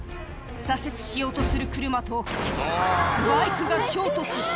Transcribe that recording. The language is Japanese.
左折しようとする車とバイクが衝突。